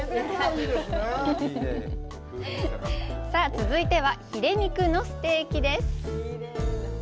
続いては、ヒレ肉のステーキ。